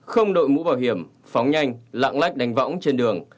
không đội mũ bảo hiểm phóng nhanh lạng lách đánh võng trên đường